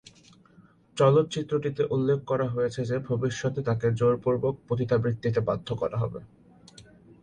চলচ্চিত্রটিতে উল্লেখ করা হয়েছে যে ভবিষ্যতে তাকে জোর পূর্বক পতিতাবৃত্তিতে বাধ্য করা হবে।